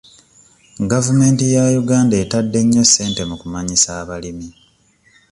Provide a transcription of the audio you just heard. Gavumenti ya Uganda etadde nnyo ssente mu kumanyisa abalimi.